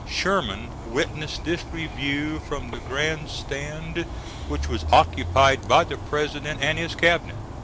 Sherman witnessed this review from the grand stand which was occupied by the President and his cabinet.